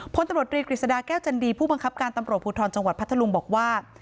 พลตำรวจรีกฤษฎาแก้วจันดีผู้บังคับการตำรวจภูทรจังหวัดพัทธลุงบอกว่า